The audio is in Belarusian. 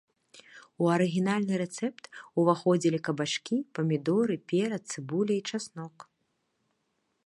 У арыгінальны рэцэпт ўваходзілі кабачкі, памідоры, перац, цыбуля і часнок.